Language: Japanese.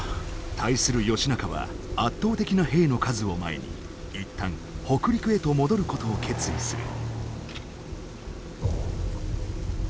対する義仲は圧倒的な兵の数を前に一旦北陸へと戻ることを決意する。